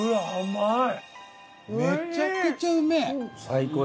めちゃくちゃうめえ。